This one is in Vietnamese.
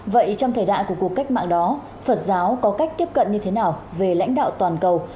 vậy trong thời đại của cuộc cách mạng đó phật giáo có cách tiếp cận như thế nào về lãnh đạo toàn cầu